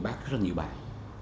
tôi sáng tác rất là nhiều bài